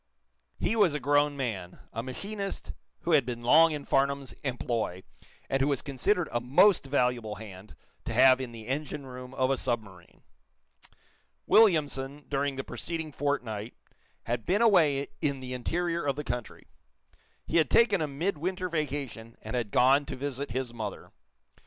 He was a grown man, a machinist who had been long in Farnum's employ, and who was considered a most valuable hand to have in the engine room of a submarine. Williamson, during the preceding fortnight, had been away in the interior of the country. He had taken a midwinter vacation, and had gone to visit his mother.